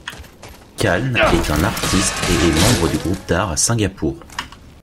Calne est un artiste et est membre du groupe d'art à Singapour.